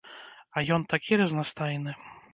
А ён такі разнастайны!